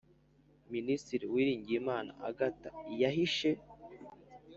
Ministre uwiringiyimana agathe yahishe